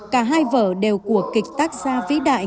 cả hai vở đều của kịch tác gia vĩ đại